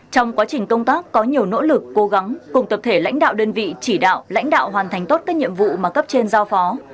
trong quá trình công tác có nhiều nỗ lực cố gắng cùng tập thể lãnh đạo đơn vị chỉ đạo lãnh đạo hoàn thành tốt các nhiệm vụ mà cấp trên giao phó